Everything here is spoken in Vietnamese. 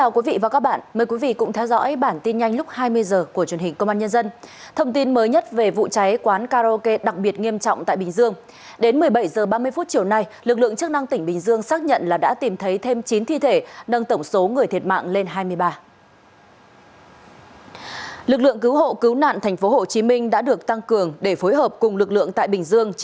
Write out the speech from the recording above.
cảm ơn các bạn đã theo dõi